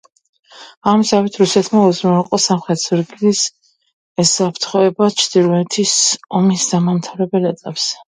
ამ ზავით რუსეთმა უზრუნველყო სამხრეთი ზურგის უსაფრთხოება ჩრდილოეთის ომის დამამთავრებელ ეტაპზე.